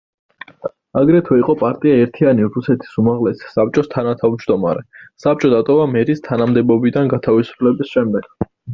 აგრეთვე იყო პარტია ერთიანი რუსეთის უმაღლესი საბჭოს თანათავმჯდომარე; საბჭო დატოვა მერის თანამდებობიდან გათავისუფლების შემდეგ.